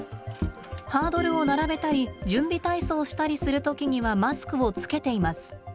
ハードルを並べたり準備体操したりする時にはマスクをつけています。